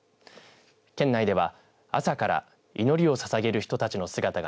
県内では朝から祈りをささげる人たちの姿が